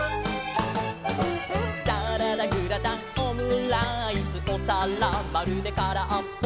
「サラダグラタンオムライスおさらまるでからっぽ」